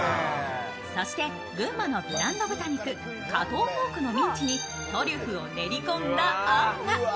そして群馬のブランド豚、加藤ポークのミンチにトリュフを練り込んだあんが。